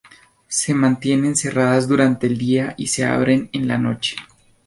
Se mantienen cerradas durante el día y se abren en la noche.